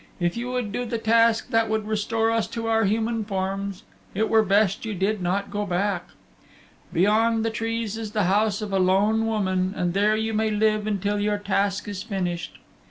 If you would do the task that would restore us to our human forms, it were best you did not go back. Beyond the trees is the house of a lone woman, and there you may live until your task is finished."